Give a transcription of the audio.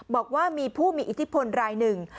บอกว่ามีผู้มีอิทธิพลรายหนึ่ง